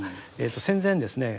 戦前ですね